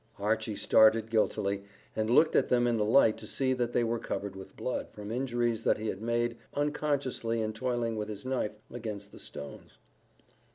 Archy started guiltily, and looked at them in the light to see that they were covered with blood, from injuries that he had made unconsciously in toiling with his knife against the stones.